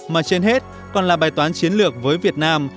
mà trên hết còn là bài toán chiến lược với việt nam